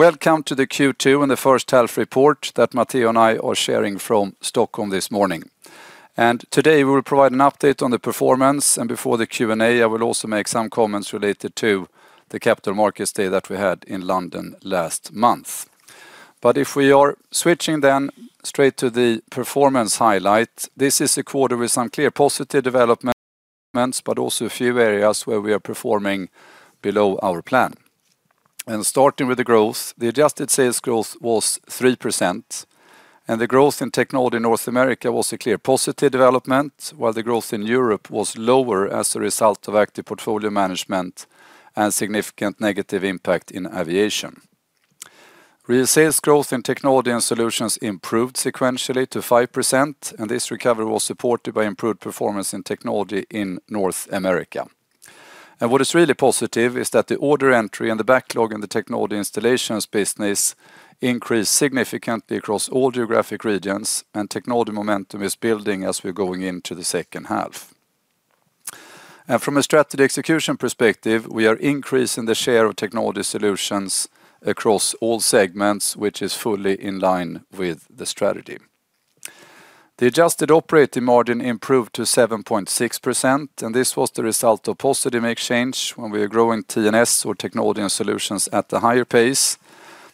Welcome to the Q2 and the first half report that Matteo and I are sharing from Stockholm this morning. Today, we will provide an update on the performance, and before the Q&A, I will also make some comments related to the Capital Markets Day that we had in London last month. If we are switching straight to the performance highlight, this is a quarter with some clear positive development, but also a few areas where we are performing below our plan. Starting with the growth, the adjusted sales growth was 3%, and the growth in technology in North America was a clear positive development, while the growth in Europe was lower as a result of active portfolio management and significant negative impact in aviation. Real sales growth in Technology and Solutions improved sequentially to 5%, and this recovery was supported by improved performance in technology in North America. What is really positive is that the order entry and the backlog in the technology installations business increased significantly across all geographic regions, and technology momentum is building as we are going into the second half. From a strategy execution perspective, we are increasing the share of technology solutions across all segments, which is fully in line with the strategy. The adjusted operating margin improved to 7.6%, and this was the result of positive exchange when we are growing T&S, or Technology and Solutions, at the higher pace,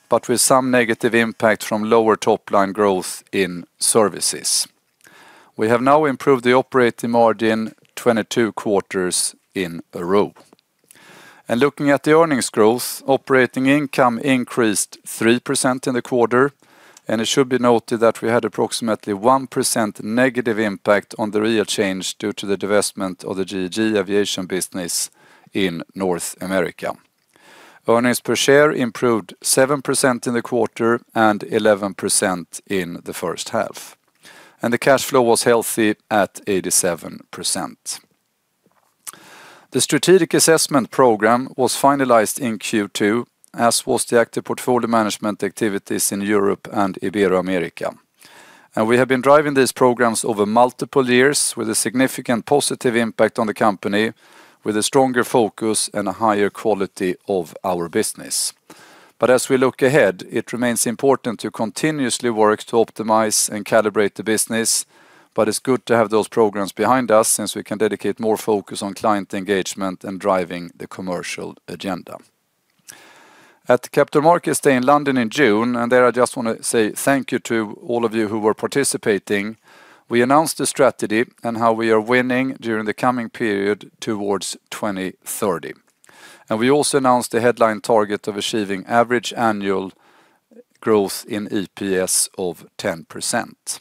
but with some negative impact from lower top-line growth in services. We have now improved the operating margin 22 quarters in a row. Looking at the earnings growth, operating income increased 3% in the quarter, and it should be noted that we had approximately 1%- impact on the real change due to the divestment of the GEG aviation business in North America. Earnings per share improved 7% in the quarter and 11% in the first half, and the cash flow was healthy at 87%. The strategic assessment program was finalized in Q2, as was the active portfolio management activities in Europe and Ibero-America. We have been driving these programs over multiple years with a significant positive impact on the company, with a stronger focus and a higher quality of our business. As we look ahead, it remains important to continuously work to optimize and calibrate the business. It's good to have those programs behind us, since we can dedicate more focus on client engagement and driving the commercial agenda. At the Capital Markets Day in London in June, and there I just want to say thank you to all of you who were participating, we announced a strategy on how we are winning during the coming period towards 2030. We also announced a headline target of achieving average annual growth in EPS of 10%.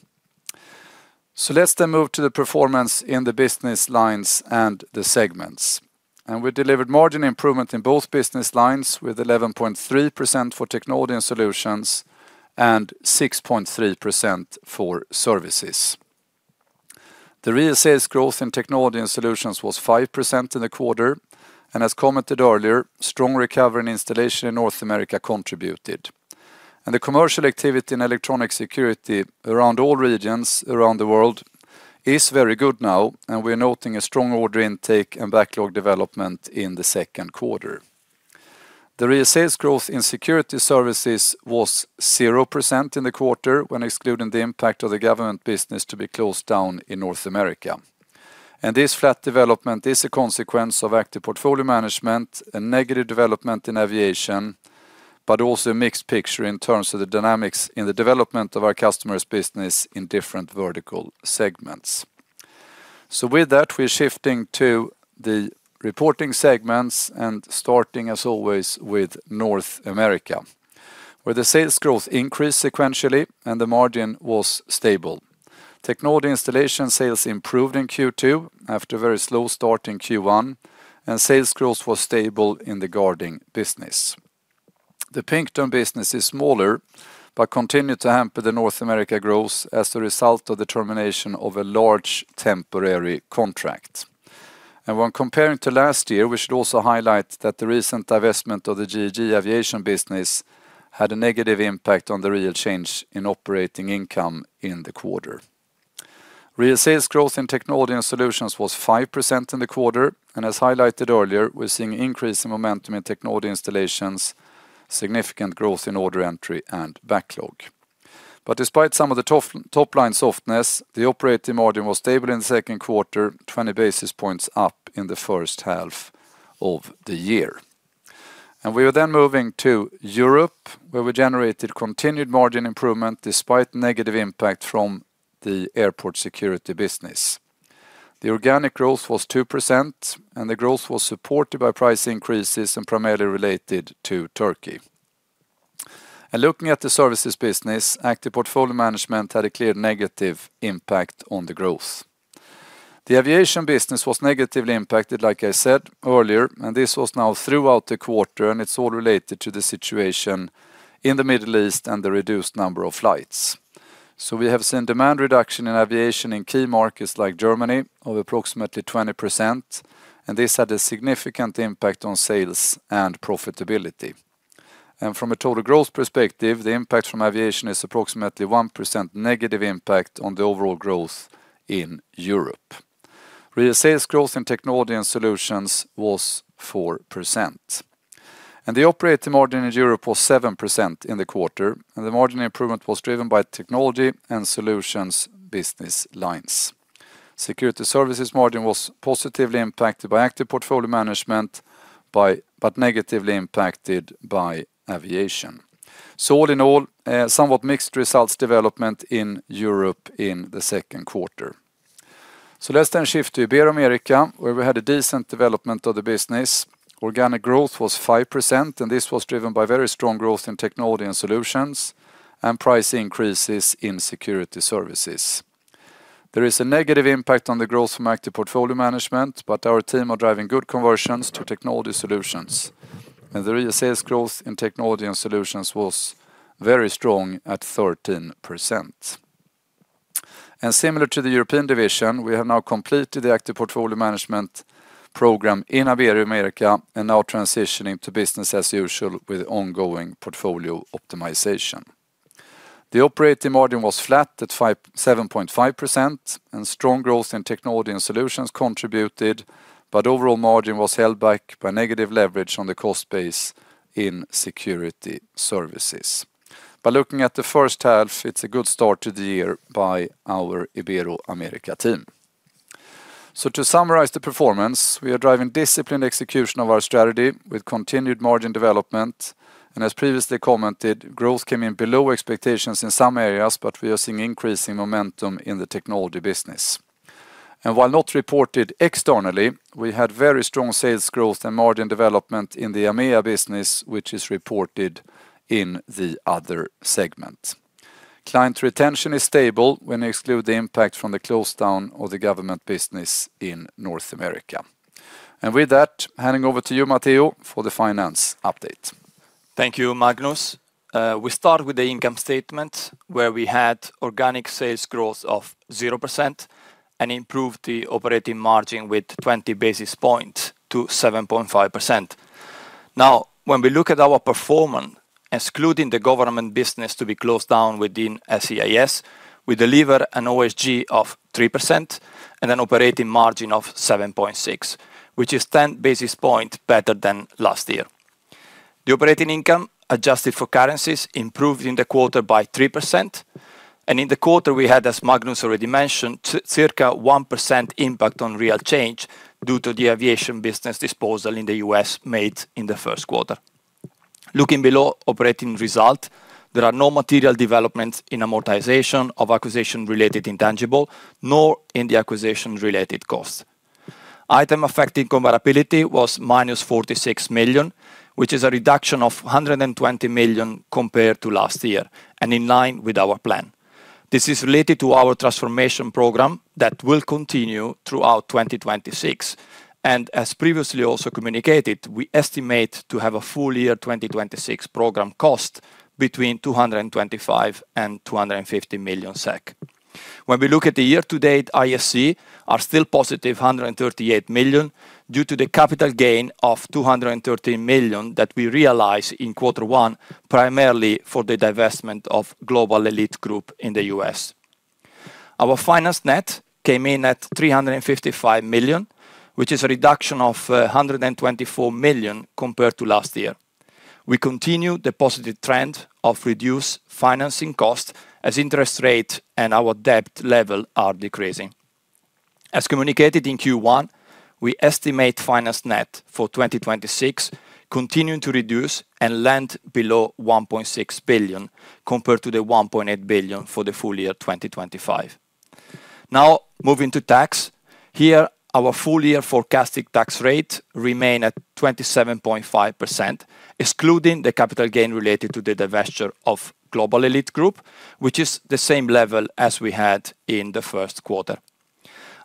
Let's move to the performance in the business lines and the segments. We delivered margin improvement in both business lines with 11.3% for Technology and Solutions and 6.3% for services. The real sales growth in Technology and Solutions was 5% in the quarter, and as commented earlier, strong recovery and installation in North America contributed. The commercial activity in electronic security around all regions around the world is very good now, and we're noting a strong order intake and backlog development in the second quarter. The real sales growth in security services was 0% in the quarter when excluding the impact of the government business to be closed down in North America. This flat development is a consequence of active portfolio management and negative development in aviation, but also a mixed picture in terms of the dynamics in the development of our customer's business in different vertical segments. With that, we're shifting to the reporting segments and starting, as always, with North America, where the sales growth increased sequentially and the margin was stable. Technology installation sales improved in Q2 after a very slow start in Q1, and sales growth was stable in the guarding business. The Pinkerton business is smaller, but continued to hamper the North America growth as a result of the termination of a large temporary contract. When comparing to last year, we should also highlight that the recent divestment of the GEG aviation business had a negative impact on the real change in operating income in the quarter. Real sales growth in Technology and Solutions was 5% in the quarter, as highlighted earlier, we're seeing increase in momentum in technology installations, significant growth in order entry, and backlog. Despite some of the top-line softness, the operating margin was stable in the second quarter, 20 basis points up in the first half of the year. We are then moving to Europe, where we generated continued margin improvement despite negative impact from the airport security business. The organic growth was 2%, and the growth was supported by price increases and primarily related to Turkey. Looking at the services business, active portfolio management had a clear negative impact on the growth. The aviation business was negatively impacted, like I said earlier, and this was now throughout the quarter, and it's all related to the situation in the Middle East and the reduced number of flights. We have seen demand reduction in aviation in key markets like Germany of approximately 20%, and this had a significant impact on sales and profitability. From a total growth perspective, the impact from aviation is approximately 1%- impact on the overall growth in Europe. Real sales growth in Technology and Solutions was 4%. The operating margin in Europe was 7% in the quarter, and the margin improvement was driven by Technology and Solutions business lines. Securitas Services margin was positively impacted by active portfolio management, but negatively impacted by aviation. All in all, somewhat mixed results development in Europe in the second quarter. Let's then shift to Ibero-America, where we had a decent development of the business. Organic growth was 5%, and this was driven by very strong growth in Technology and Solutions and price increases in security services. There is a negative impact on the growth from active portfolio management, but our team are driving good conversions to technology solutions. The real sales growth in Technology and Solutions was very strong at 13%. Similar to the European division, we have now completed the active portfolio management program in Ibero-America and now transitioning to business as usual with ongoing portfolio optimization. The operating margin was flat at 7.5%, strong growth in Technology and Solutions contributed, overall margin was held back by negative leverage on the cost base in security services. By looking at the first half, it's a good start to the year by our Ibero-America team. To summarize the performance, we are driving disciplined execution of our strategy with continued margin development. As previously commented, growth came in below expectations in some areas, we are seeing increasing momentum in the technology business. While not reported externally, we had very strong sales growth and margin development in the EMEA business, which is reported in the other segment. Client retention is stable when you exclude the impact from the close down of the government business in North America. With that, handing over to you, Matteo, for the finance update. Thank you, Magnus. We start with the income statement where we had organic sales growth of 0% and improved the operating margin with 20 basis points to 7.5%. When we look at our performance, excluding the government business to be closed down within SCIS, we deliver an OSG of 3% and an operating margin of 7.6%, which is 10 basis points better than last year. The operating income adjusted for currencies improved in the quarter by 3%. In the quarter we had, as Magnus already mentioned, circa 1% impact on real change due to the aviation business disposal in the U.S. made in the first quarter. Looking below operating result, there are no material developments in amortization of acquisition-related intangibles, nor in the acquisition-related cost. Items affecting comparability was -46 million, which is a reduction of 120 million compared to last year, in line with our plan. This is related to our transformation program that will continue throughout 2026. As previously also communicated, we estimate to have a full year 2026 program cost between 225 million and 250 million SEK. Looking at the year to date, IAC are still positive 138 million due to the capital gain of 213 million that we realized in quarter one, primarily for the divestment of Global Elite Group in the U.S. Our finance net came in at 355 million, which is a reduction of 124 million compared to last year. We continue the positive trend of reduced financing cost as interest rates and our debt level are decreasing. As communicated in Q1, we estimate finance net for 2026 continuing to reduce and land below 1.6 billion compared to 1.8 billion for the full year 2025. Moving to tax. Our full year forecasted tax rate remain at 27.5%, excluding the capital gain related to the divestiture of Global Elite Group, which is the same level as we had in the first quarter.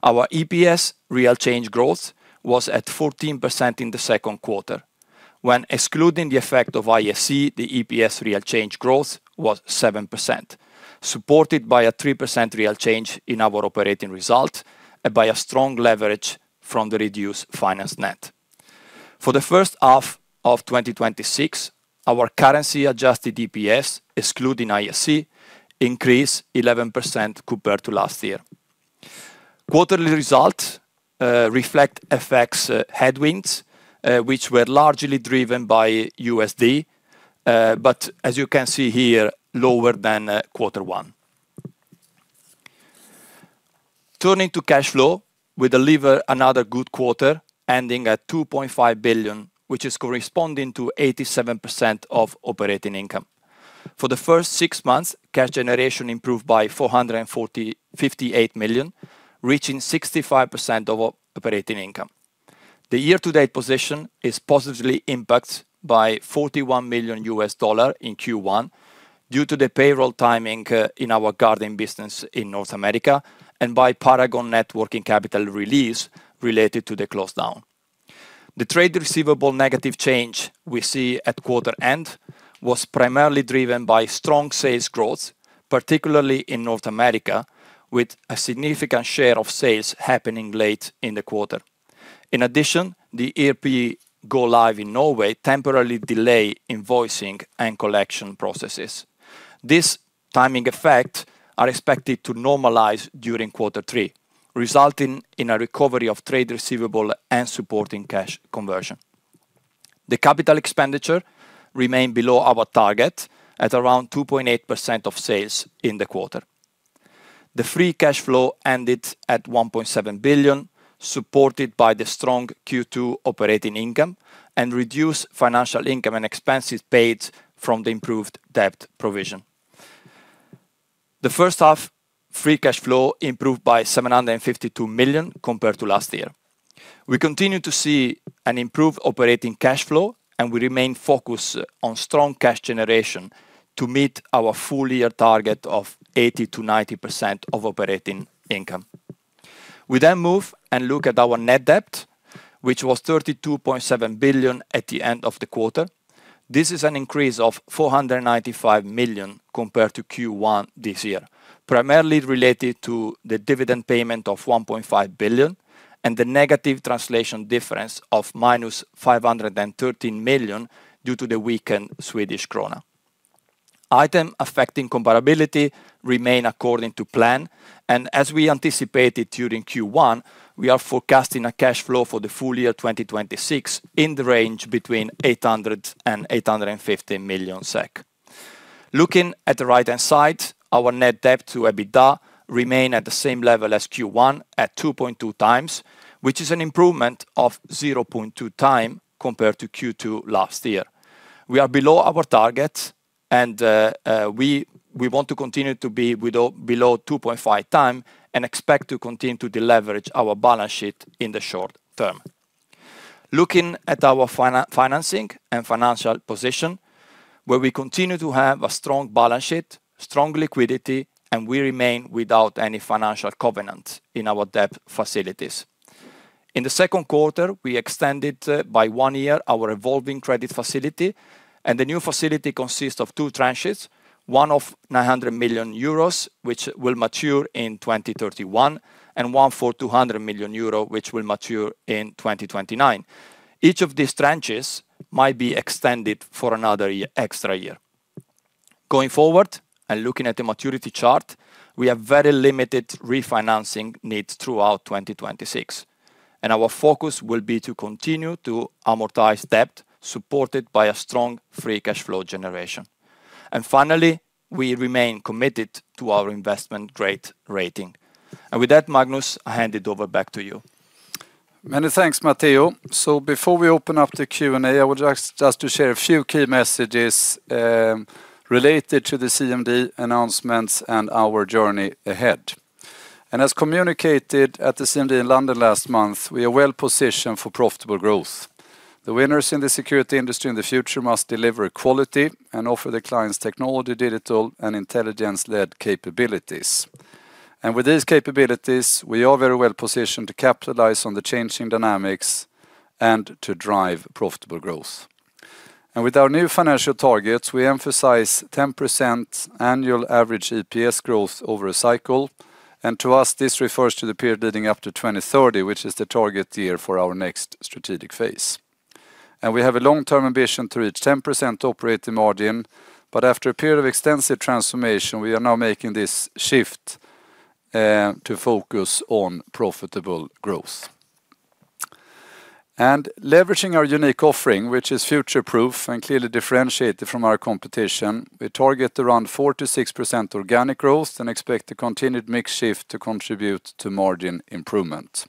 Our EPS real change growth was at 14% in the second quarter. Excluding the effect of IAC, the EPS real change growth was 7%, supported by a 3% real change in our operating result and by a strong leverage from the reduced finance net. For the first half of 2026, our currency-adjusted EPS, excluding IAC, increased 11% compared to last year. Quarterly result reflect FX headwinds, which were largely driven by USD, as you can see here, lower than quarter one. Turning to cash flow, we deliver another good quarter ending at 2.5 billion, which is corresponding to 87% of operating income. For the first six months, cash generation improved by 458 million, reaching 65% of operating income. The year-to-date position is positively impacted by $41 million in Q1 due to the payroll timing in our guarding business in North America and by Paragon networking capital release related to the close-down. The trade receivables negative change we see at quarter end was primarily driven by strong sales growth, particularly in North America, with a significant share of sales happening late in the quarter. In addition, the ERP go-live in Norway temporarily delay invoicing and collection processes. This timing effect are expected to normalize during Q3, resulting in a recovery of trade receivables and supporting cash conversion. The capital expenditure remained below our target at around 2.8% of sales in the quarter. The free cash flow ended at 1.7 billion, supported by the strong Q2 operating income and reduced financial income and expenses paid from the improved debt provision. The first half, free cash flow improved by 752 million compared to last year. We continue to see an improved operating cash flow, and we remain focused on strong cash generation to meet our full year target of 80%-90% of operating income. We move and look at our net debt, which was 32.7 billion at the end of the quarter. This is an increase of 495 million compared to Q1 this year, primarily related to the dividend payment of 1.5 billion and the negative translation difference of -513 million due to the weakened Swedish krona. Items Affecting Comparability remain according to plan, as we anticipated during Q1, we are forecasting a cash flow for the full year 2026 in the range between 800 million SEK and 850 million SEK. Looking at the right-hand side, our net debt to EBITDA remain at the same level as Q1 at 2.2 times, which is an improvement of 0.2 times compared to Q2 last year. We are below our target, we want to continue to be below 2.5 times and expect to continue to deleverage our balance sheet in the short term. Looking at our financing and financial position, where we continue to have a strong balance sheet, strong liquidity, and we remain without any financial covenant in our debt facilities. In Q2, we extended by one year our revolving credit facility, the new facility consists of two tranches, one of 900 million euros, which will mature in 2031, and one for 200 million euros, which will mature in 2029. Each of these tranches might be extended for another extra year. Going forward and looking at the maturity chart, we have very limited refinancing needs throughout 2026, our focus will be to continue to amortize debt supported by a strong, free cash flow generation. Finally, we remain committed to our investment grade rating. With that, Magnus, I hand it over back to you. Many thanks, Matteo. Before we open up the Q&A, I would just to share a few key messages related to the CMD announcements and our journey ahead. As communicated at the CMD in London last month, we are well-positioned for profitable growth. The winners in the security industry in the future must deliver quality and offer the clients technology, digital, and intelligence-led capabilities. With these capabilities, we are very well-positioned to capitalize on the changing dynamics and to drive profitable growth. With our new financial targets, we emphasize 10% annual average EPS growth over a cycle. To us, this refers to the period leading up to 2030, which is the target year for our next strategic phase. We have a long-term ambition to reach 10% operating margin. After a period of extensive transformation, we are now making this shift to focus on profitable growth. Leveraging our unique offering, which is future-proof and clearly differentiated from our competition, we target around 4%-6% organic growth and expect a continued mix shift to contribute to margin improvement.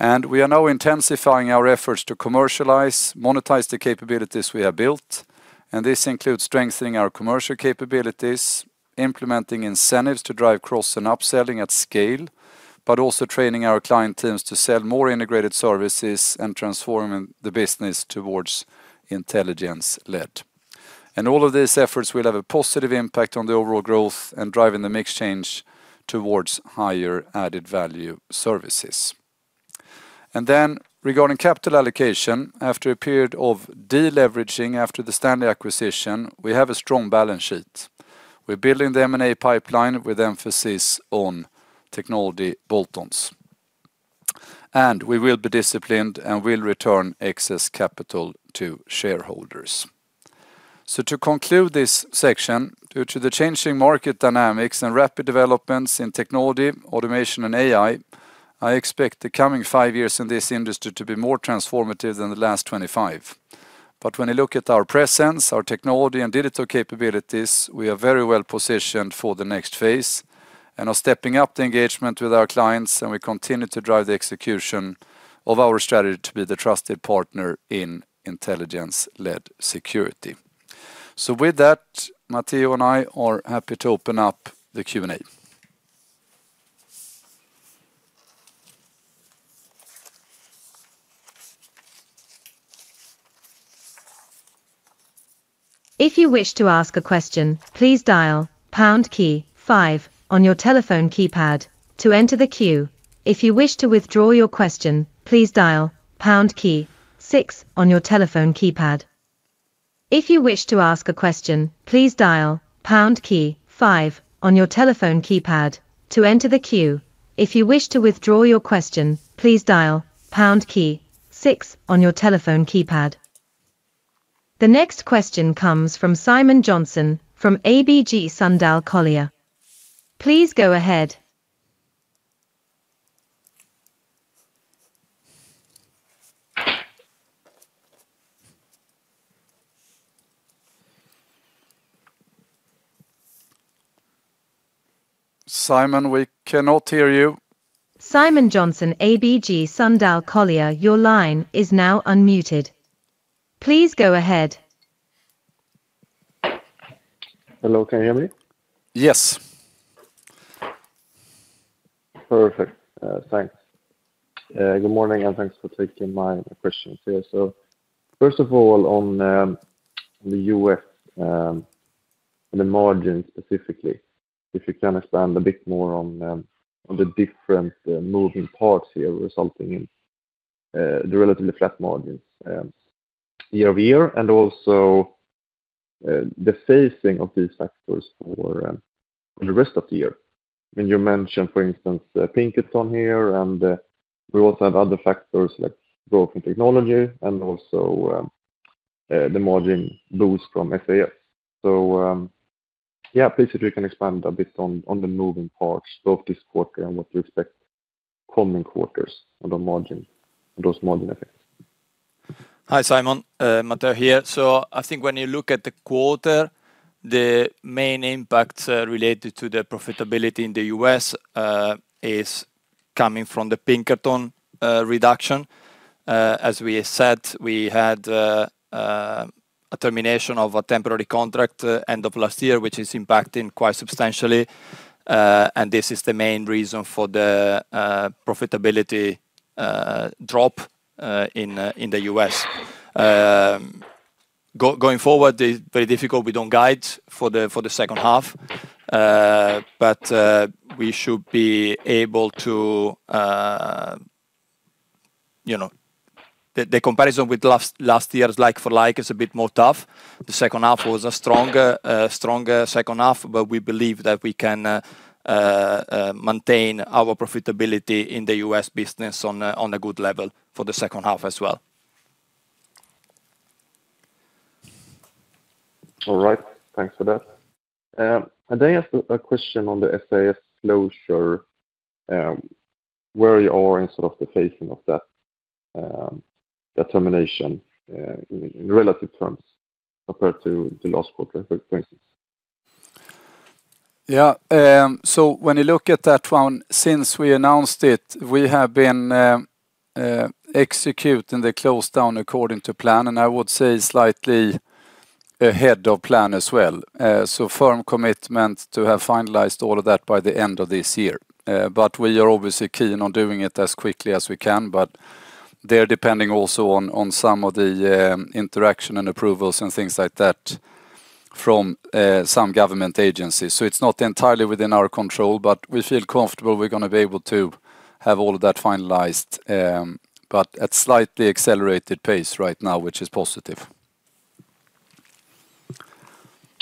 We are now intensifying our efforts to commercialize, monetize the capabilities we have built, and this includes strengthening our commercial capabilities, implementing incentives to drive cross and upselling at scale, but also training our client teams to sell more integrated services and transforming the business towards intelligence-led. All of these efforts will have a positive impact on the overall growth and driving the mix change towards higher added-value services. Regarding capital allocation, after a period of deleveraging after the STANLEY acquisition, we have a strong balance sheet. We're building the M&A pipeline with emphasis on technology bolt-ons. We will be disciplined and will return excess capital to shareholders. To conclude this section, due to the changing market dynamics and rapid developments in technology, automation, and AI, I expect the coming five years in this industry to be more transformative than the last 25. When you look at our presence, our technology, and digital capabilities, we are very well-positioned for the next phase and are stepping up the engagement with our clients, and we continue to drive the execution of our strategy to be the trusted partner in intelligence-led security. With that, Matteo and I are happy to open up the Q&A. If you wish to ask a question, please dial pound key five on your telephone keypad to enter the queue. If you wish to withdraw your question, please dial pound key six on your telephone keypad. If you wish to ask a question, please dial pound key five on your telephone keypad to enter the queue. If you wish to withdraw your question, please dial pound key six on your telephone keypad. The next question comes from Simon Jönsson from ABG Sundal Collier. Please go ahead. Simon, we cannot hear you. Simon Jönsson, ABG Sundal Collier, your line is now unmuted. Please go ahead. Hello, can you hear me? Yes. Perfect. Thanks. Good morning. Thanks for taking my questions here. First of all, on the U.S., on the margin specifically, if you can expand a bit more on the different moving parts here resulting in the relatively flat margins year-over-year, and also the phasing of these factors for the rest of the year. You mentioned, for instance, Pinkerton here, and we also have other factors like growth in Technology and also the margin boost from SCIS. Please, if you can expand a bit on the moving parts of this quarter and what you expect coming quarters on those margin effects. Hi, Simon. Matteo here. I think when you look at the quarter, the main impact related to the profitability in the U.S. is coming from the Pinkerton reduction. As we said, we had a termination of a temporary contract end of last year, which is impacting quite substantially. This is the main reason for the profitability drop in the U.S. Going forward, very difficult. We don't guide for the second half. The comparison with last year's like for like is a bit more tough. The second half was a stronger second half. We believe that we can maintain our profitability in the U.S. business on a good level for the second half as well. All right. Thanks for that. I have a question on the SCIS closure, where you are in sort of the phasing of that termination in relative terms compared to the last quarter, for instance. When you look at that one, since we announced it, we have been executing the close down according to plan, and I would say slightly ahead of plan as well. Firm commitment to have finalized all of that by the end of this year. We are obviously keen on doing it as quickly as we can. They're depending also on some of the interaction and approvals and things like that from some government agencies. It's not entirely within our control. We feel comfortable we're going to be able to have all of that finalized at slightly accelerated pace right now, which is positive.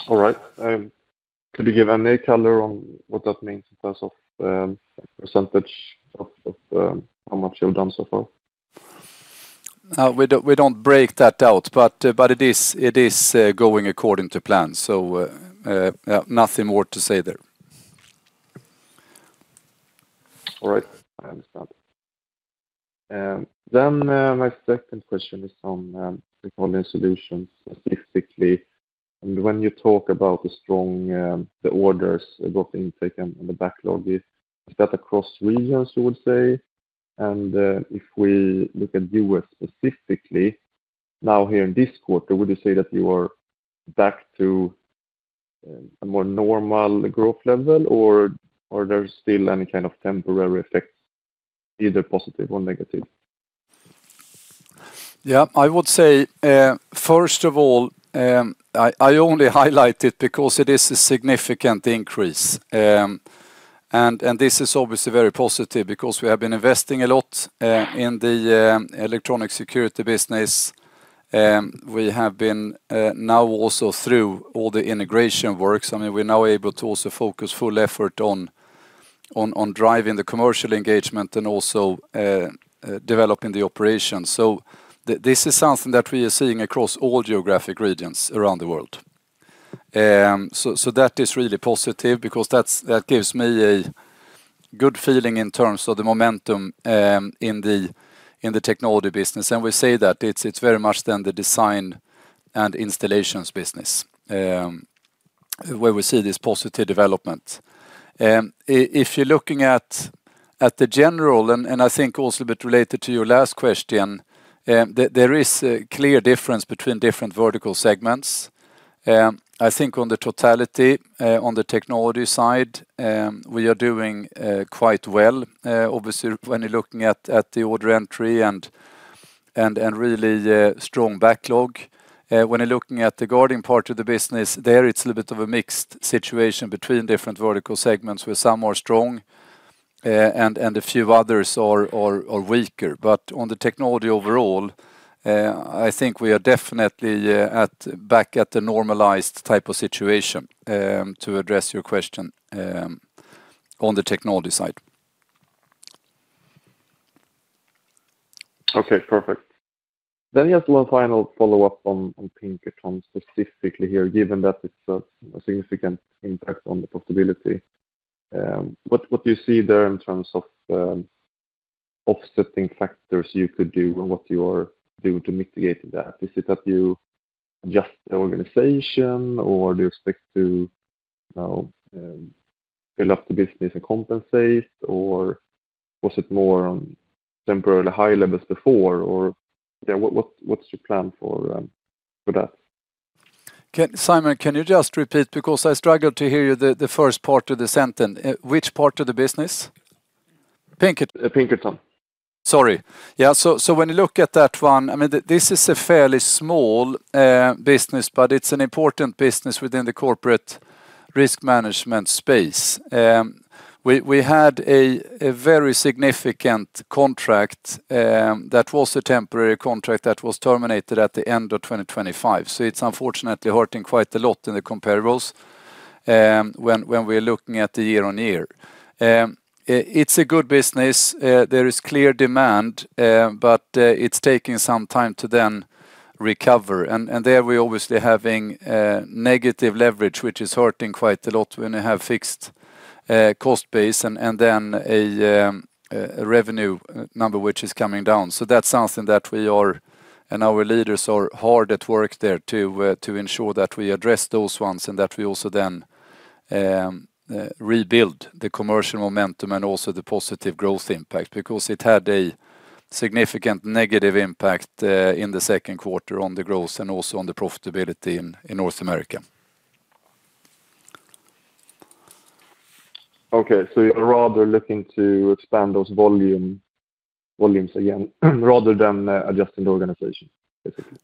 All right. Could you give any color on what that means in terms of percentage of how much you've done so far? We don't break that out, but it is going according to plan. Nothing more to say there. All right. I understand. My second question is on recording solutions specifically. When you talk about the strong orders, growth intake and the backlog, is that across regions, you would say? If we look at U.S. specifically, now here in this quarter, would you say that you are back to a more normal growth level or there's still any kind of temporary effects, either positive or negative? I would say, first of all, I only highlight it because it is a significant increase. This is obviously very positive because we have been investing a lot in the electronic security business. We have been now also through all the integration works. I mean, we're now able to also focus full effort on driving the commercial engagement and also developing the operations. This is something that we are seeing across all geographic regions around the world. That is really positive because that gives me a good feeling in terms of the momentum in the technology business. We say that it's very much then the design and installations business, where we see this positive development. If you're looking at the general, and I think also a bit related to your last question, there is a clear difference between different vertical segments. I think on the totality, on the technology side, we are doing quite well, obviously, when you're looking at the order entry and really strong backlog. Looking at the guarding part of the business, there it's a little bit of a mixed situation between different vertical segments where some are strong. A few others are weaker. On the technology overall, I think we are definitely back at the normalized type of situation, to address your question on the technology side. Okay, perfect. Just one final follow-up on Pinkerton specifically here, given that it's a significant impact on the profitability. What do you see there in terms of offsetting factors you could do, and what you are doing to mitigate that? Is it that you adjust the organization or do you expect to build up the business and compensate, or was it more on temporarily high levels before? What's your plan for that? Simon, can you just repeat? I struggled to hear you, the first part of the sentence. Which part of the business? Pinkerton. Pinkerton. Sorry. Yeah. When you look at that one, this is a fairly small business, but it's an important business within the corporate risk management space. We had a very significant contract, that was a temporary contract that was terminated at the end of 2025. It's unfortunately hurting quite a lot in the comparables, when we're looking at the year-on-year. It's a good business. There is clear demand, but it's taking some time to then recover. There we're obviously having negative leverage, which is hurting quite a lot when you have fixed cost base and then a revenue number which is coming down. That's something that we are, and our leaders are hard at work there to ensure that we address those ones and that we also then rebuild the commercial momentum and also the positive growth impact because it had a significant negative impact in the second quarter on the growth and also on the profitability in North America. Okay, you're rather looking to expand those volumes again rather than adjusting the organization, basically.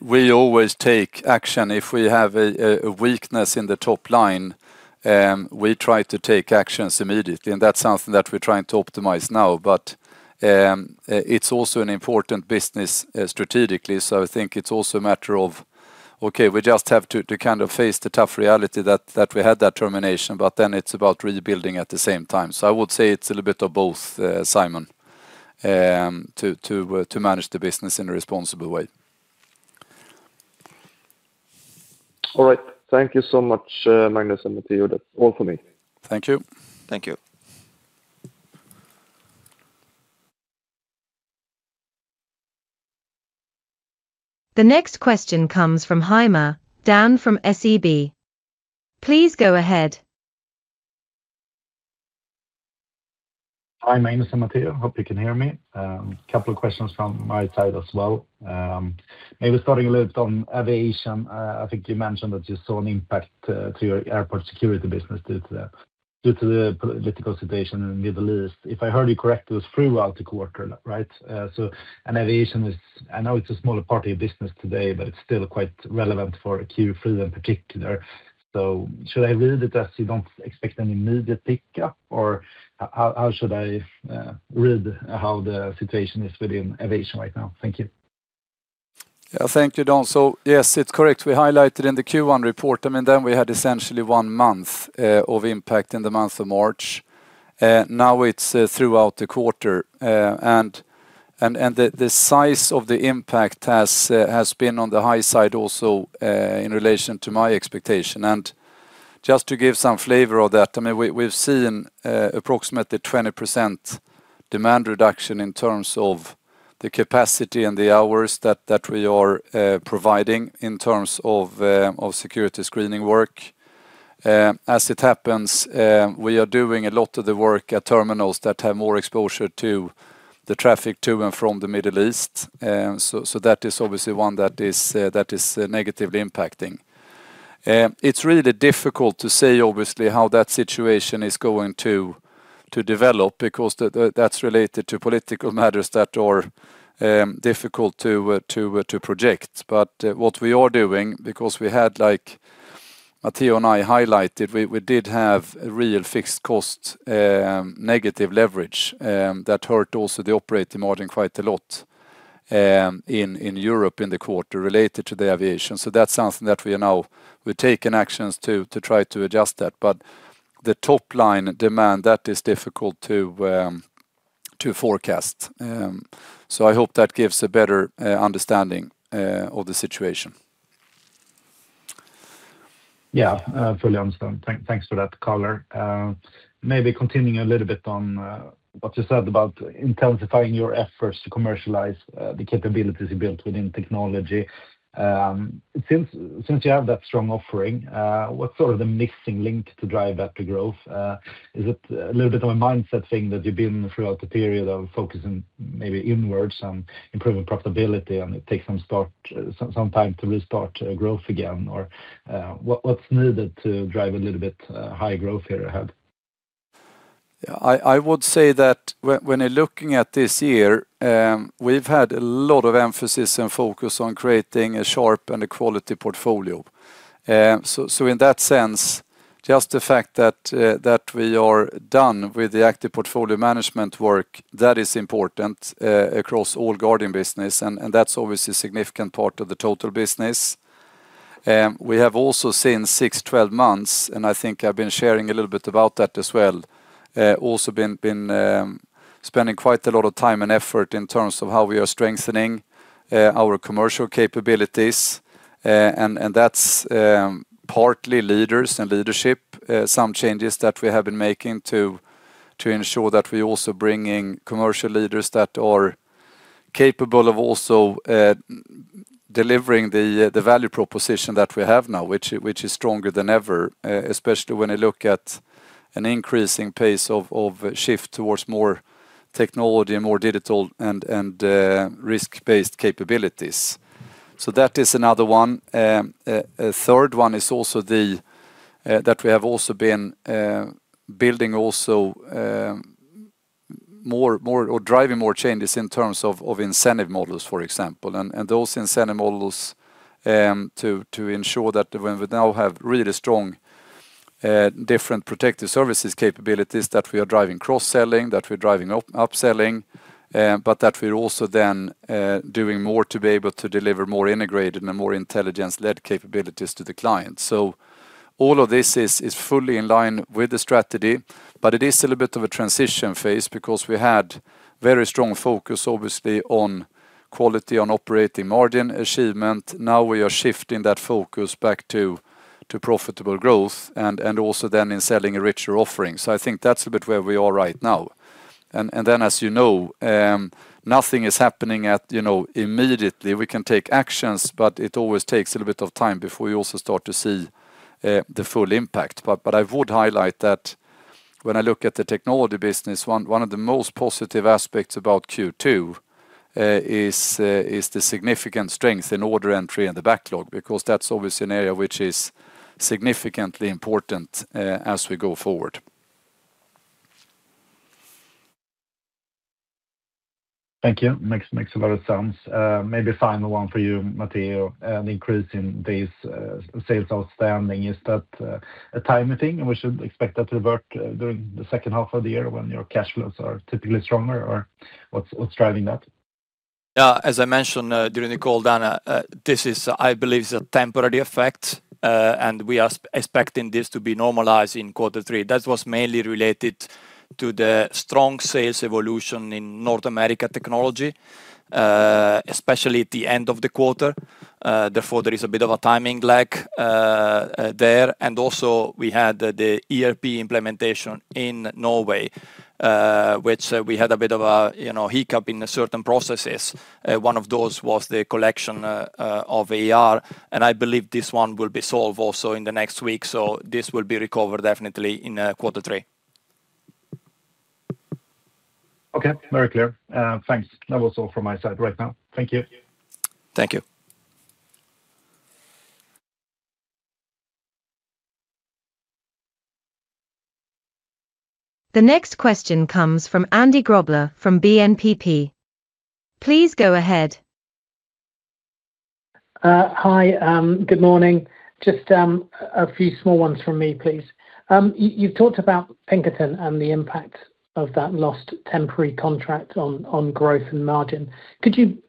We always take action. If we have a weakness in the top line, we try to take actions immediately, that's something that we're trying to optimize now. It's also an important business strategically. I think it's also a matter of, okay, we just have to kind of face the tough reality that we had that termination, it's about rebuilding at the same time. I would say it's a little bit of both, Simon, to manage the business in a responsible way. All right. Thank you so much, Magnus and Matteo. That's all for me. Thank you. Thank you. The next question comes from Heimer Dan from SEB. Please go ahead. Hi, Magnus and Matteo. Hope you can hear me. Couple of questions from my side as well. Maybe starting a little bit on aviation. I think you mentioned that you saw an impact to your airport security business due to the political situation in the Middle East. If I heard you correct, it was throughout the quarter, right? Aviation is, I know it's a smaller part of your business today, but it's still quite relevant for Q3 in particular. Should I read it as you don't expect any immediate pickup, or how should I read how the situation is within aviation right now? Thank you. Yeah, thank you, Dan. Yes, it's correct. We highlighted in the Q1 report, then we had essentially one month of impact in the month of March. Now it's throughout the quarter. The size of the impact has been on the high side also, in relation to my expectation. Just to give some flavor of that, we've seen approximately 20% demand reduction in terms of the capacity and the hours that we are providing in terms of security screening work. As it happens, we are doing a lot of the work at terminals that have more exposure to the traffic to and from the Middle East. That is obviously one that is negatively impacting. It's really difficult to say, obviously, how that situation is going to develop because that's related to political matters that are difficult to project. What we are doing, because we had like Matteo and I highlighted, we did have a real fixed cost, negative leverage, that hurt also the operating margin quite a lot, in Europe in the quarter related to the aviation. That's something that we are now taking actions to try to adjust that. The top line demand, that is difficult to forecast. I hope that gives a better understanding of the situation. Fully understood. Thank you for that color. Maybe continuing a little bit on what you said about intensifying your efforts to commercialize the capabilities you built within technology. Since you have that strong offering, what's sort of the missing link to drive that growth? Is it a little bit of a mindset thing that you've been throughout the period of focusing maybe inwards on improving profitability, and it takes some time to restart growth again, or what's needed to drive a little bit high growth here ahead? I would say that when you're looking at this year, we've had a lot of emphasis and focus on creating a sharp and a quality portfolio. In that sense, just the fact that we are done with the active portfolio management work, that is important across all guarding business, and that's obviously a significant part of the total business. We have also seen six, 12 months, and I think I've been sharing a little bit about that as well. Also been spending quite a lot of time and effort in terms of how we are strengthening our commercial capabilities. That's partly leaders and leadership, some changes that we have been making to ensure that we also bring in commercial leaders that are capable of also delivering the value proposition that we have now, which is stronger than ever, especially when I look at an increasing pace of shift towards more technology and more digital and risk-based capabilities. That is another one. A third one is also that we have also been building or driving more changes in terms of incentive models, for example. Those incentive models to ensure that when we now have really strong different protective services capabilities, that we are driving cross-selling, that we're driving up-selling, but that we're also then doing more to be able to deliver more integrated and more intelligence-led capabilities to the client. All of this is fully in line with the strategy, it is a little bit of a transition phase because we had very strong focus, obviously, on quality, on operating margin achievement. We are shifting that focus back to profitable growth and also in selling a richer offering. I think that's a bit where we are right now. As you know, nothing is happening immediately. We can take actions, but it always takes a little bit of time before we also start to see the full impact. I would highlight that when I look at the technology business, one of the most positive aspects about Q2 is the significant strength in order entry and the backlog, because that's obviously an area which is significantly important as we go forward. Thank you. Makes a lot of sense. Maybe final one for you, Matteo. An increase in these sales outstanding, is that a timing thing? We should expect that to revert during the second half of the year when your cash flows are typically stronger? Or what's driving that? As I mentioned during the call, Dan, this is, I believe, is a temporary effect. We are expecting this to be normalized in quarter three. That was mainly related to the strong sales evolution in North America Technology, especially at the end of the quarter. Therefore, there is a bit of a timing lag there. Also we had the ERP implementation in Norway, which we had a bit of a hiccup in certain processes. One of those was the collection of AR, I believe this one will be solved also in the next week. This will be recovered definitely in quarter three. Very clear. Thanks. That was all from my side right now. Thank you. Thank you. The next question comes from Andy Grobler from BNPP. Please go ahead. Hi, good morning. Just a few small ones from me, please. You've talked about Pinkerton and the impact of that lost temporary contract on growth and margin. Could you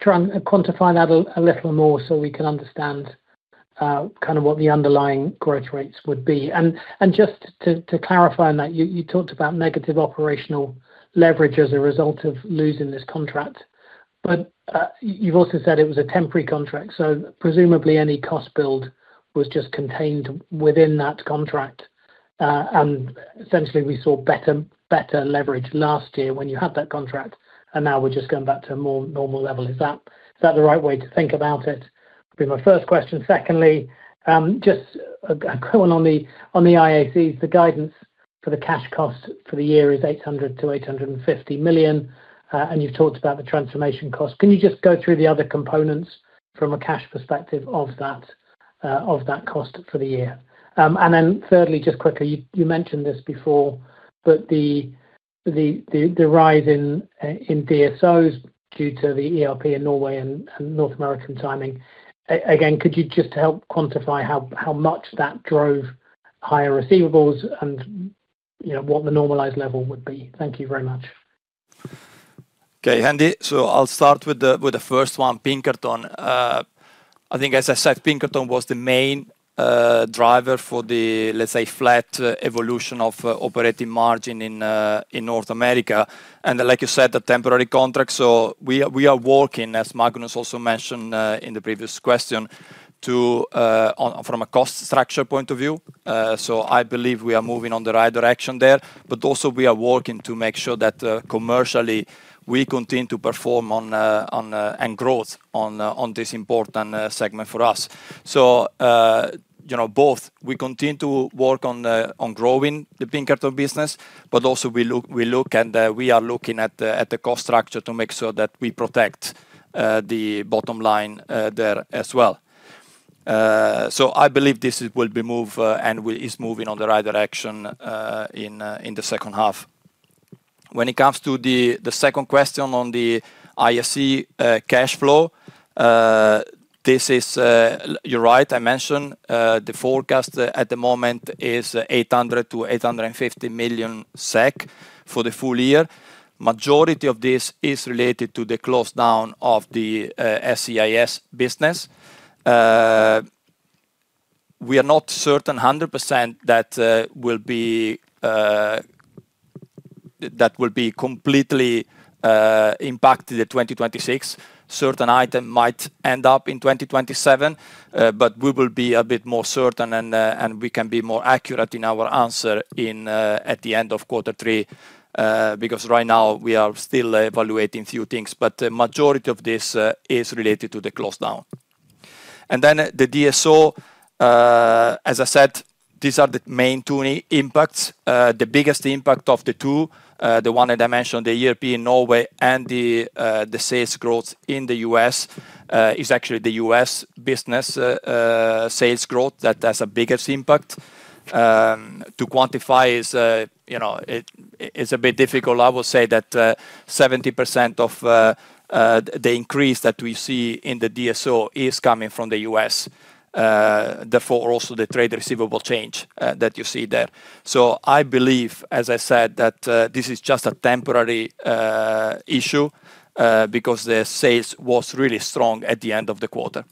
try and quantify that a little more so we can understand kind of what the underlying growth rates would be? Just to clarify on that, you talked about negative operational leverage as a result of losing this contract, but you've also said it was a temporary contract, so presumably any cost build was just contained within that contract. Essentially, we saw better leverage last year when you had that contract, and now we're just going back to a more normal level. Is that the right way to think about it? Would be my first question. Secondly, just a quick one on the IACs. The guidance for the cash cost for the year is 800 million-850 million. You've talked about the transformation cost. Can you just go through the other components from a cash perspective of that cost for the year? Then thirdly, just quickly, you mentioned this before, but the rise in DSOs due to the ERP in Norway and North American timing. Again, could you just help quantify how much that drove higher receivables and what the normalized level would be? Thank you very much. Okay, Andy. I'll start with the first one, Pinkerton. I think as I said, Pinkerton was the main driver for the, let's say, flat evolution of operating margin in North America. Like you said, a temporary contract. We are working, as Magnus also mentioned in the previous question, from a cost structure point of view. I believe we are moving on the right direction there, but also we are working to make sure that commercially we continue to perform and growth on this important segment for us. Both we continue to work on growing the Pinkerton business, but also we are looking at the cost structure to make sure that we protect the bottom line there as well. I believe this will be move and is moving on the right direction in the second half. When it comes to the second question on the IAC cash flow, you're right, I mentioned the forecast at the moment is 800 million-850 million SEK for the full year. Majority of this is related to the close down of the SCIS business. We are not certain 100% that will be completely impacted at 2026. Certain item might end up in 2027. We will be a bit more certain, and we can be more accurate in our answer at the end of quarter three, because right now we are still evaluating few things. The majority of this is related to the close down. The DSO, as I said, these are the main two impacts The biggest impact of the two, the one that I mentioned, the European, Norway, and the sales growth in the U.S., is actually the U.S. business sales growth that has a biggest impact. To quantify is a bit difficult. I would say that 70% of the increase that we see in the DSO is coming from the U.S., therefore, also the trade receivable change that you see there. I believe, as I said, that this is just a temporary issue, because the sales was really strong at the end of the quarter.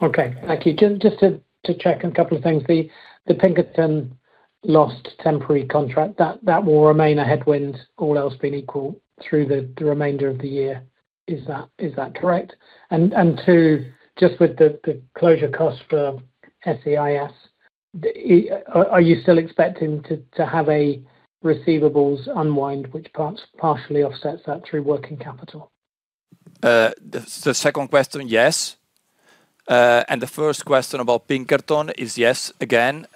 Okay. Thank you. Just to check on a couple of things. The Pinkerton lost temporary contract, that will remain a headwind, all else being equal, through the remainder of the year. Is that correct? Two, just with the closure cost for SCIS, are you still expecting to have a receivables unwind which partially offsets that through working capital? The second question, yes. The first question about Pinkerton is yes again.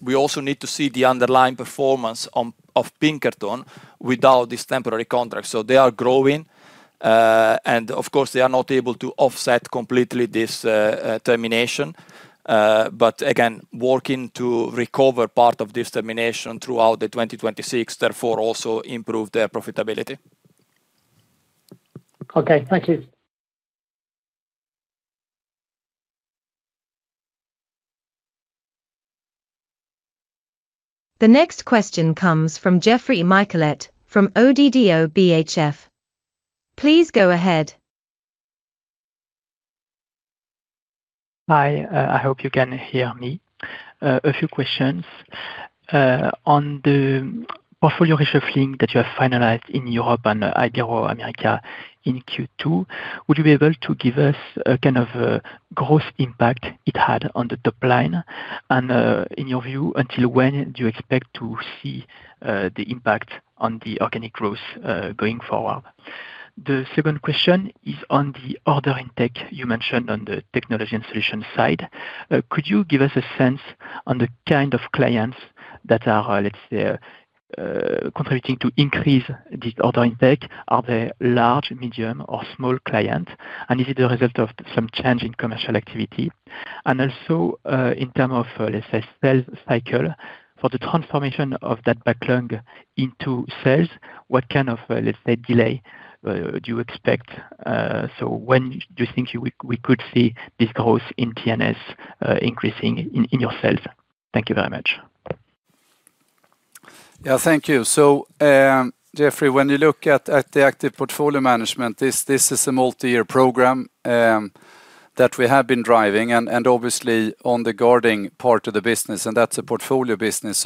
We also need to see the underlying performance of Pinkerton without this temporary contract. They are growing, and of course, they are not able to offset completely this termination. Again, working to recover part of this termination throughout the 2026, therefore, also improve their profitability. Okay. Thank you. The next question comes from Geoffroy Michalet from ODDO BHF. Please go ahead. Hi. I hope you can hear me. A few questions. On the portfolio reshuffling that you have finalized in Europe and Ibero-America in Q2, would you be able to give us a kind of growth impact it had on the top line? In your view, until when do you expect to see the impact on the organic growth going forward? The second question is on the order intake you mentioned on the technology installation side. Could you give us a sense on the kind of clients that are, let's say, contributing to increase this order intake? Are they large, medium, or small client? Is it a result of some change in commercial activity? Also, in term of, let's say, sales cycle, for the transformation of that backlog into sales, what kind of, let's say, delay do you expect? When do you think we could see this growth in T&S increasing in your sales? Thank you very much. Yeah. Thank you. Geoffroy, when you look at the active portfolio management, this is a multiyear program that we have been driving, and obviously, on the guarding part of the business, and that's a portfolio business.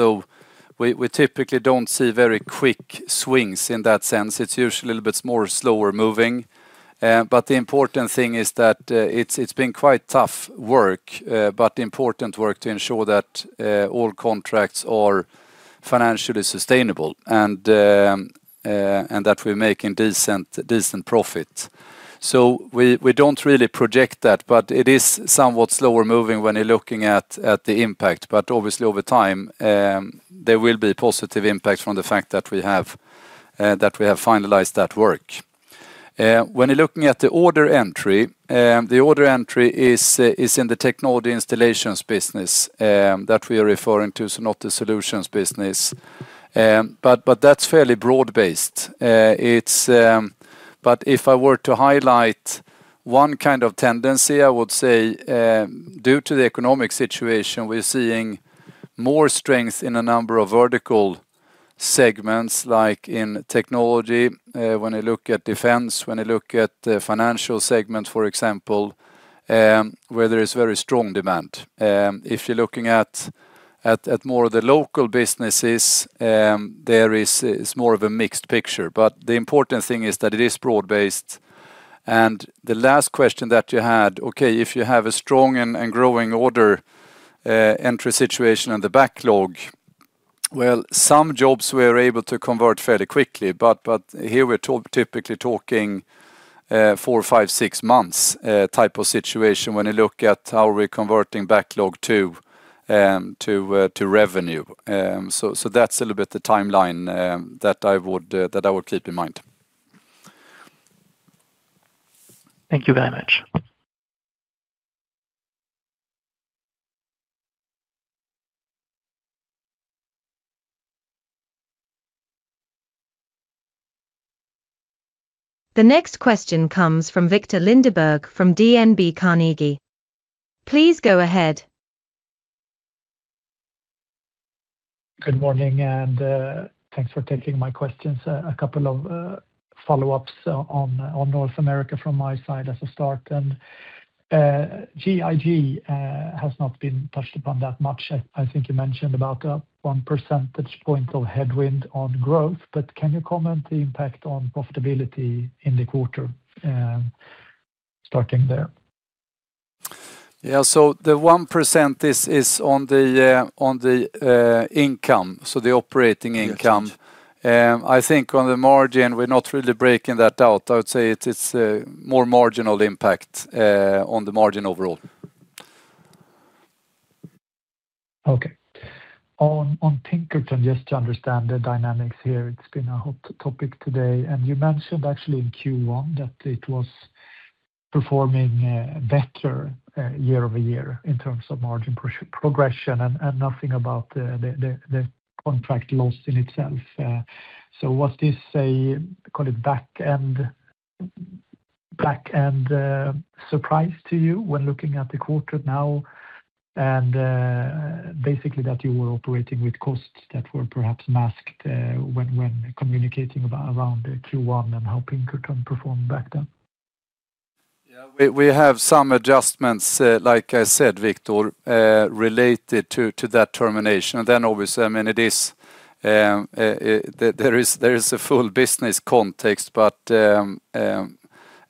We typically don't see very quick swings in that sense. It's usually a little bit more slower moving. The important thing is that it's been quite tough work, but important work to ensure that all contracts are financially sustainable and that we're making decent profit. We don't really project that, but it is somewhat slower moving when you're looking at the impact. Obviously, over time, there will be positive impact from the fact that we have finalized that work. When you're looking at the order entry, the order entry is in the technology installations business that we are referring to, so not the solutions business. That's fairly broad based. But if I were to highlight one kind of tendency, I would say, due to the economic situation, we're seeing more strength in a number of vertical segments, like in technology, when you look at defense, when you look at the financial segment, for example, where there is very strong demand. If you're looking at more of the local businesses, there is more of a mixed picture. The important thing is that it is broad based. The last question that you had, okay, if you have a strong and growing order entry situation and the backlog, well, some jobs we're able to convert fairly quickly. But here we're typically talking four, five, six months type of situation when you look at how we're converting backlog to revenue. That's a little bit the timeline that I would keep in mind. Thank you very much. The next question comes from Viktor Lindeberg from DNB Carnegie. Please go ahead. Good morning, and thanks for taking my questions. A couple of follow-ups on North America from my side as a start. GEG has not been touched upon that much. I think you mentioned about one percentage point of headwind on growth. Can you comment the impact on profitability in the quarter, starting there? The 1% is on the income, so the operating income. Yes. I think on the margin, we're not really breaking that out. I would say it's more marginal impact on the margin overall. Okay. On Pinkerton, just to understand the dynamics here. It has been a hot topic today, and you mentioned actually in Q1 that it was performing better year-over-year in terms of margin progression and nothing about the contract loss in itself. Was this a, call it, back-end surprise to you when looking at the quarter now, and basically that you were operating with costs that were perhaps masked when communicating around Q1 and how Pinkerton performed back then? Yeah. We have some adjustments, like I said, Viktor, related to that termination. Obviously, there is a full business context, but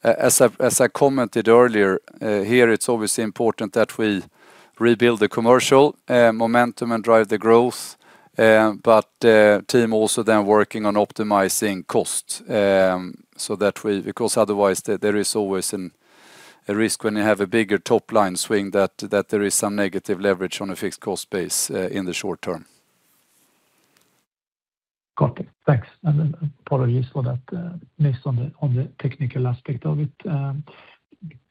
as I commented earlier, here it is obviously important that we rebuild the commercial momentum and drive the growth. The team also then working on optimizing costs. Otherwise, there is always a risk when you have a bigger top-line swing that there is some negative leverage on a fixed cost base in the short term. Got it. Thanks. Apologies for that miss on the technical aspect of it.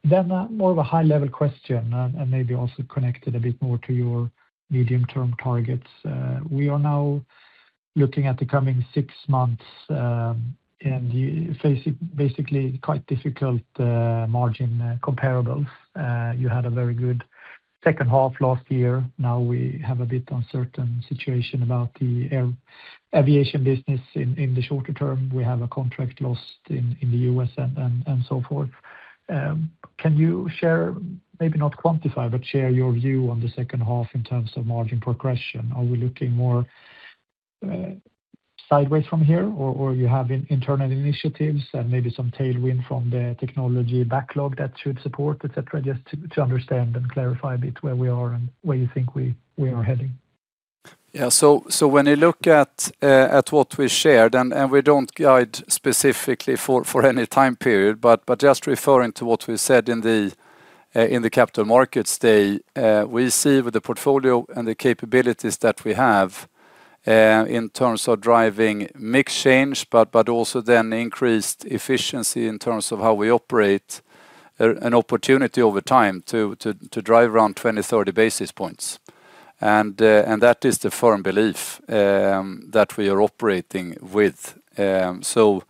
More of a high-level question, and maybe also connected a bit more to your medium-term targets. We are now looking at the coming six months, and you face basically quite difficult margin comparables. You had a very good second half last year. Now we have a bit uncertain situation about the aviation business in the shorter term. We have a contract lost in the U.S. and so forth. Can you share, maybe not quantify, but share your view on the second half in terms of margin progression? Are we looking more sideways from here, or you have internal initiatives and maybe some tailwind from the technology backlog that should support, et cetera? Just to understand and clarify a bit where we are and where you think we are heading. Yeah. When you look at what we shared, and we do not guide specifically for any time period, but just referring to what we said in the Capital Markets Day, we see with the portfolio and the capabilities that we have in terms of driving mix change but also then increased efficiency in terms of how we operate, an opportunity over time to drive around 20, 30 basis points. That is the firm belief that we are operating with. I do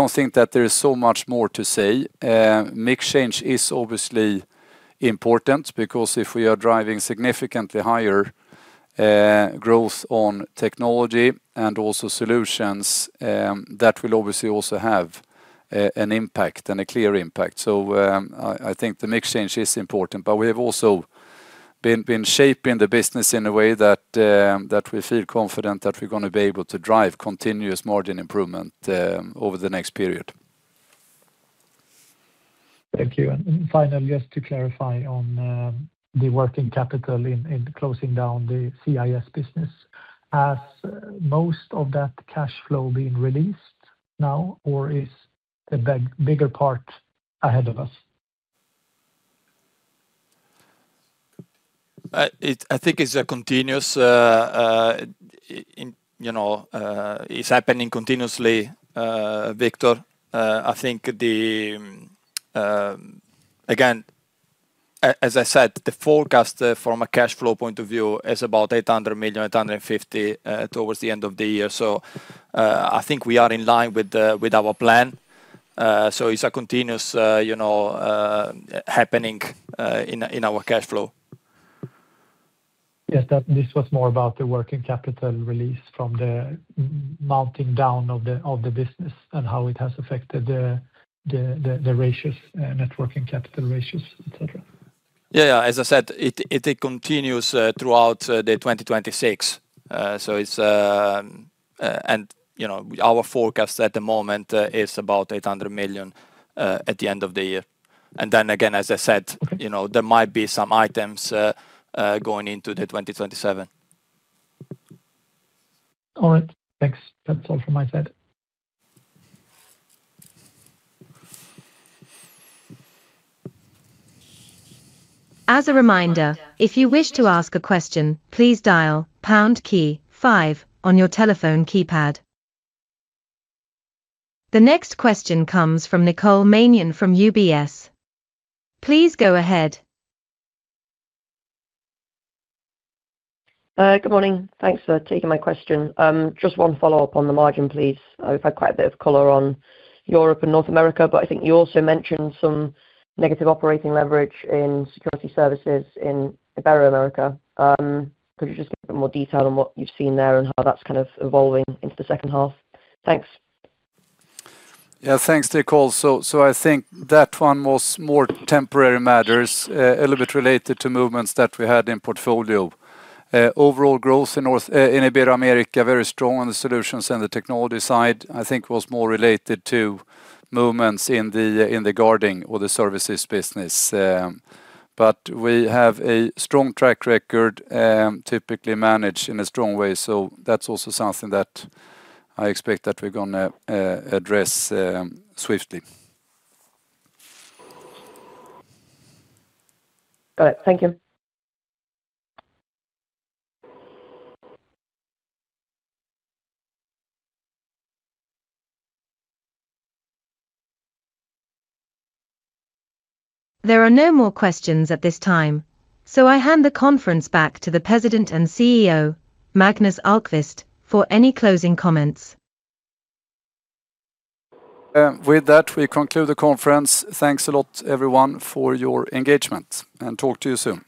not think that there is so much more to say. Mix change is obviously important because if we are driving significantly higher growth on technology and also solutions, that will obviously also have an impact and a clear impact. I think the mix change is important, but we have also been shaping the business in a way that we feel confident that we're going to be able to drive continuous margin improvement over the next period. Thank you. Finally, just to clarify on the working capital in closing down the SCIS business. Has most of that cash flow been released now, or is the bigger part ahead of us? I think it's happening continuously, Viktor. Again, as I said, the forecast from a cash flow point of view is about 800 million-850 million towards the end of the year. I think we are in line with our plan. It's a continuous happening in our cash flow. Yes. This was more about the working capital release from the mounting down of the business and how it has affected the net working capital ratios, et cetera. Yeah. As I said, it continues throughout the 2026. Our forecast at the moment is about 800 million at the end of the year. Then again, as I said, there might be some items going into 2027. All right. Thanks. That's all from my side. As a reminder, if you wish to ask a question, please dial pound key five on your telephone keypad. The next question comes from Nicole Manion from UBS. Please go ahead. Good morning. Thanks for taking my question. Just one follow-up on the margin, please. We've had quite a bit of color on Europe and North America, but I think you also mentioned some negative operating leverage in Security Services in Ibero-America. Could you just give a bit more detail on what you've seen there and how that's evolving into the second half? Thanks. Thanks, Nicole. I think that one was more temporary matters, a little bit related to movements that we had in portfolio. Overall growth in Ibero-America, very strong on the solutions and the technology side. I think was more related to movements in the guarding or the services business. We have a strong track record, typically managed in a strong way. That's also something that I expect that we're going to address swiftly. All right. Thank you. There are no more questions at this time. I hand the conference back to the President and CEO, Magnus Ahlqvist, for any closing comments. With that, we conclude the conference. Thanks a lot, everyone, for your engagement, and talk to you soon.